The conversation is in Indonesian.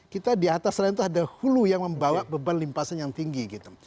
kita di atas lain itu ada hulu yang membawa beban limpasan yang tinggi gitu